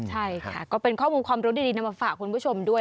ใช่ค่ะก็เป็นข้อมูลความรู้ดีนำมาฝากคุณผู้ชมด้วย